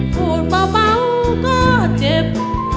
พูดเบาก็เจ็บ